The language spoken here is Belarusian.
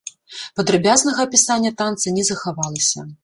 Падрабязнага апісання танца не захавалася.